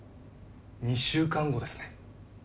２週間後ですね。